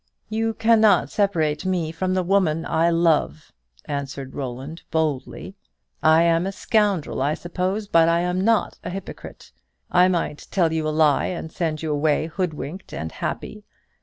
"You cannot separate me from the woman I love," answered Roland, boldly. "I am a scoundrel, I suppose; but I am not a hypocrite. I might tell you a lie, and send you away hoodwinked and happy.